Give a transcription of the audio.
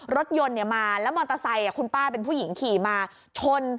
รถยนต์มาแล้วมอเตอร์ไซค์คุณป้าเป็นผู้หญิงขี่มาชน